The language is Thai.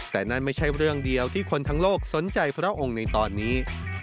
แต่นั่นไม่ใช่เรื่องเดียวที่คนทั้งโลกสนใจพระองค์ในตอนนี้